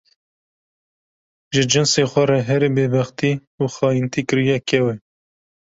ji cinsê xwe re herî bêbextî û xayîntî kiriye kew e.